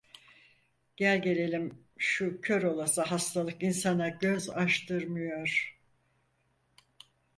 Gelgelelim şu kör olası hastalık insana göz açtırmıyor.